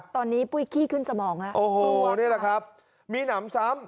ตอนนี้ปุ้ยขี้ขึ้นสมองแล้วโอ้โหนี่แหละครับมีหนำซ้ำ